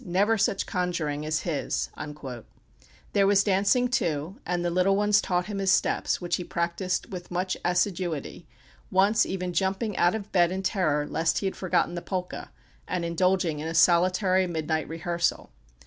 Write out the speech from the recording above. "Never such conjuring as his." There was dancing, too, and the little ones taught him his steps, which he practised with much assiduity, once even jumping out of bed in terror, lest he had forgotten the polka, and indulging in a solitary midnight rehearsal.